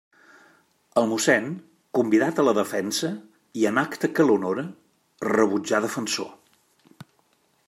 El mossén, convidat a la defensa, i en acte que l'honora, rebutjà defensor.